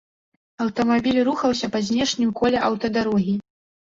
Аўтамабіль рухаўся па знешнім коле аўтадарогі.